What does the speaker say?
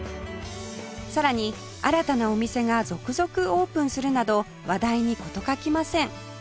さらに新たなお店が続々オープンするなど話題に事欠きません